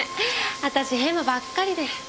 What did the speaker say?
私へまばっかりで。